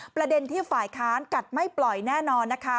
ประเด็นที่ฝ่ายค้านกัดไม่ปล่อยแน่นอนนะคะ